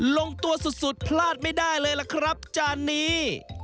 ลงตัวสุดพลาดไม่ได้เลยล่ะครับจานนี้